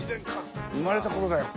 生まれたころだよ。